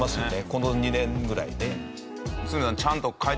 この２年ぐらいで。